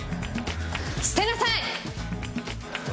捨てなさい！